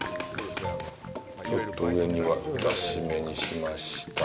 ちょっと上には出しめにしました。